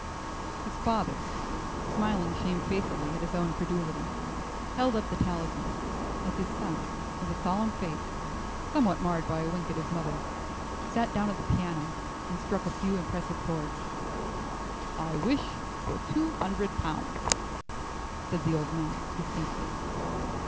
His father, smiling shamefacedly at his own credulity, held up the talisman, as his son, with a solemn face, somewhat marred by a wink at his mother, sat down at the piano and struck a few impressive chords. "I wish for two hundred pounds," said the old man distinctly.